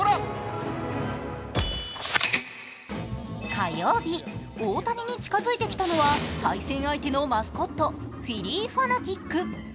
火曜日、大谷に近づいてきたのは対戦相手のマスコット、フィリー・ファナティック。